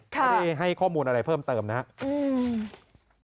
ไม่ได้ให้ข้อมูลอะไรเพิ่มเติมนะครับ